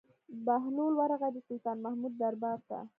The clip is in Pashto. بهلول ورغى د سلطان محمود دربار ته.